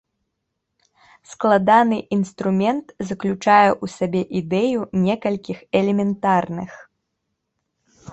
Складаны інструмент заключае ў сабе ідэю некалькіх элементарных.